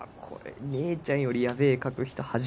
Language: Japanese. これ姉ちゃんよりやべえ絵描く人